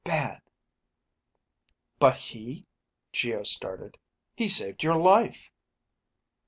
bad ..._ "But he " Geo started. "He saved your life!"